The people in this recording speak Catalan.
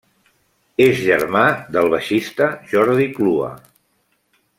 És germà del baixista Jordi Clua.